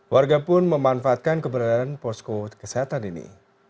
warga pun memanfaatkan keberadaan posko kesehatan ini